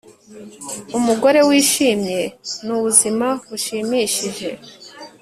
umugore wishimye ni ubuzima bushimishije.